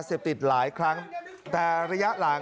สวัสดีครับทุกคน